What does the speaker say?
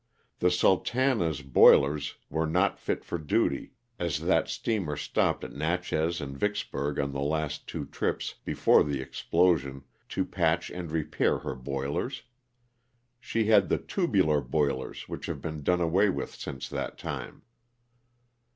The '* Sul tana's" boilers were not fit for duty, as that steamer stopped at Natchez and Vicksburg on the last two trips before the explosion to patch and repair her boilers. She had the tubular boilers which have been done away with since that time.